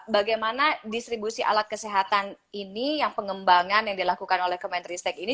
bagaimana distribusi alat kesehatan ini yang pengembangan yang dilakukan oleh kemenristek ini